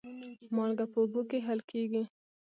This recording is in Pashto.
مالګه په اوبو کې حل کېږي.